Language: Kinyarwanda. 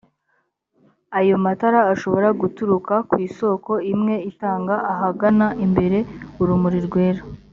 ayo matara ashobora guturuka kw isoko imwe itanga ahagana imbere urumuli rwera